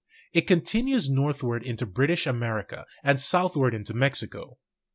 It continues northward into British Amer ica and southward into Mexico.